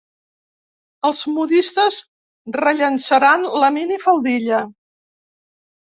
Els modistes rellançaran la minifaldilla.